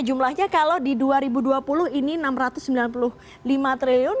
jumlahnya kalau di dua ribu dua puluh ini rp enam ratus sembilan puluh lima triliun